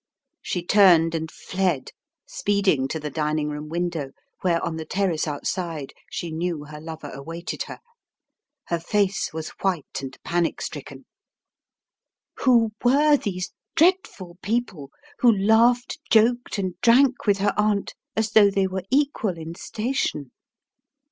She turned and fled, speeding to the dining room window, where on the terrace outside she knew her lover awaited her. Her face was white and panic stricken. Who In the Tiger's Clutches 89 were these dreadful people who laughed, joked, and drank with her aunt as though they were equal in station?